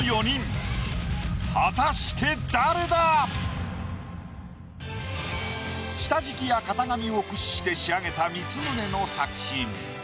果たして誰だ⁉下敷きや型紙を駆使して仕上げた光宗の作品。